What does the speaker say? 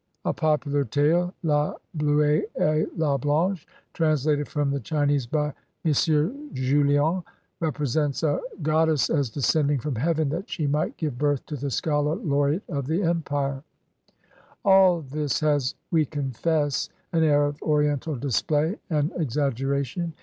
A popular tale, "La Bleue et la Blanche," trans lated from the Chinese by M. Julien, represents a god dess as descending from heaven, that she might give birth to the scholar laureate of the empire. All this has, we confess, an air of Oriental display and exaggeration.